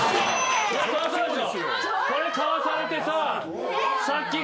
これ買わされてさ。